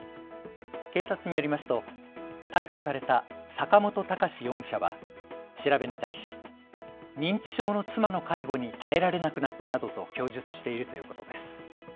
警察によりますと逮捕された坂本高志容疑者は、調べに対し、認知症の妻の介護に耐えられなくなったなどと供述しているということです。